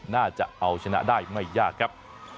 น่าจะเอาชนะได้ไม่ยากครับ